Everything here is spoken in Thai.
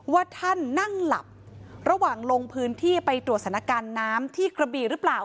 ว่าท่านนั่งหลับระหว่างลงพื้นที่ไปตรวจสถานการณ์น้ำที่กระบีหรือเปล่า